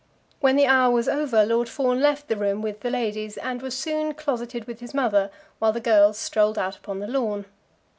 When the hour was over, Lord Fawn left the room with the ladies, and was soon closeted with his mother, while the girls strolled out upon the lawn.